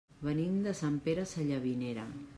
Venim de Sant Pere Sallavinera.